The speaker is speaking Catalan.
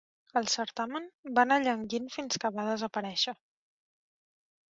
El certamen va anar llanguint fins que va desaparèixer.